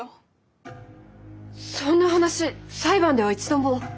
そんな話裁判では一度も！